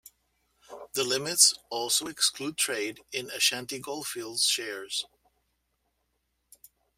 The limits also exclude trade in Ashanti Goldfields shares.